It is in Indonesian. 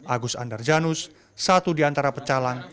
agus andarjanus satu di antara pecalang